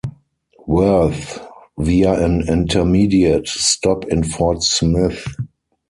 Worth via an intermediate stop in Fort Smith.